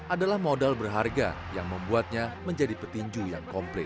adalah modal berharga yang membuatnya menjadi petinju yang komplit